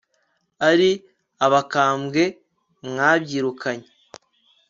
ari abakambwe mwabyirukanye